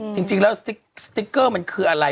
จริงแล้วสติ๊กสติ๊กเกอร์มันคืออะไร